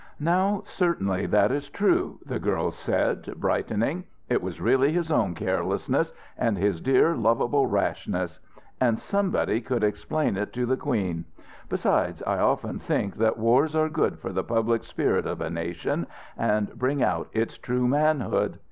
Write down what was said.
"Now, certainly that is true," the girl said, brightening. "It was really his own carelessness, and his dear, lovable rashness. And somebody could explain it to the Queen. Besides, I often think that wars are good for the public spirit of a nation, and bring out its true manhood.